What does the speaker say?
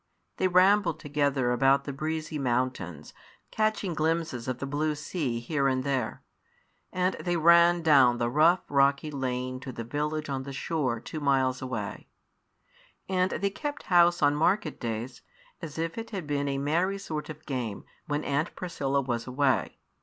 They rambled together about the breezy mountains, catching glimpses of the blue sea here and there; and they ran down the rough, rocky lane to the village on the shore, two miles away; and they kept house on market days, as if it had been a merry sort of game, when Aunt Priscilla was away.